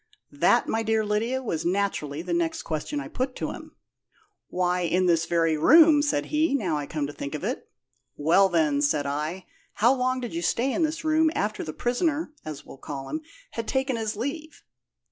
"That, my dear Lydia, was naturally the next question I put to him. 'Why, in this very room,' said he, 'now I come to think of it.' 'Well, then,' said I, 'how long did you stay in this room after the prisoner (as we'll call him) had taken his leave?'